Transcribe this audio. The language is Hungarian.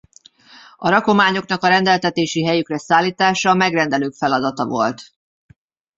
A rakományoknak a rendeltetési helyükre szállítása a megrendelők feladata volt.